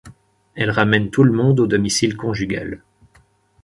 Elle ramène tout le monde au domicile conjugal.